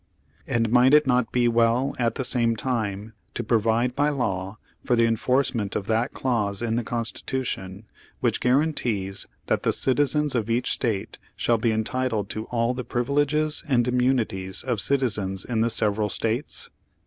And might it not be well at the same time to provide by law for the enforce ment of that clause in the Constitution which guarantees that 'the citizens of each State shall be entitled to all the privileges and immunities of citizens in the several States?'